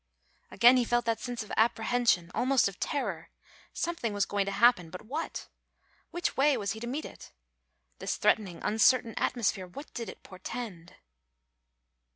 Again he felt that sense of apprehension, almost of terror; something was going to happen, but what? Which way was he to meet it? This threatening, uncertain atmosphere, what did it portend?